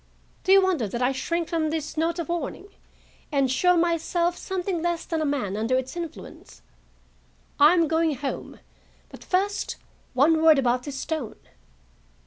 Do you wonder that I shrink from this note of warning, and show myself something less than a man under its influence? I am going home; but, first, one word about this stone."